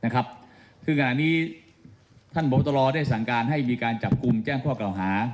คือขณะนี้ท่านพบตรได้สั่งการให้มีการจับกลุ่มแจ้งข้อกล่าวหา